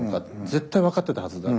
絶対分かってたはずだ。